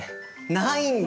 ないんだ！？